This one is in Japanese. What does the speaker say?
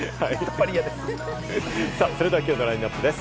それではきょうのラインナップです。